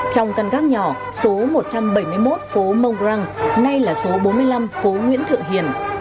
trong căn gác nhỏ số một trăm bảy mươi một phố mong rang nay là số bốn mươi năm phố nguyễn thự hiền